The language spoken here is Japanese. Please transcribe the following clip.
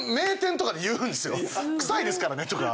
「くさいですからね」とか。